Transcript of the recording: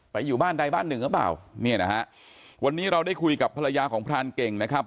อยู่บ้านใดบ้านหนึ่งหรือเปล่าเนี่ยนะฮะวันนี้เราได้คุยกับภรรยาของพรานเก่งนะครับ